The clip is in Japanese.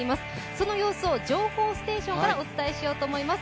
その様子を情報ステーションからお伝えしようと思います。